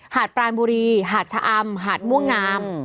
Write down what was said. ดปรานบุรีหาดชะอำหาดม่วงงาม